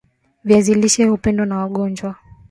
Viazi lishe hupendwa na wagonjwa